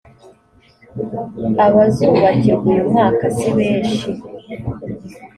abazubakirwa uyu mwaka sibeshi.